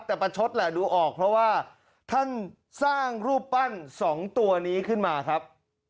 แต่ประชดแหละดูออกเพราะว่าท่านสร้างรูปปั้นสองตัวนี้ขึ้นมาครับ